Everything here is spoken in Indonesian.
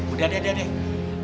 udah deh deh deh